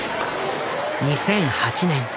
２００８年。